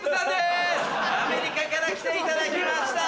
アメリカから来ていただきました。